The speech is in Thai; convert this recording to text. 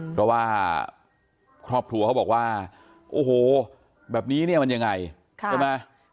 เพราะว่าครอบครัวเขาบอกว่าโอ้โหแบบนี้เนี่ยมันยังไงใช่ไหม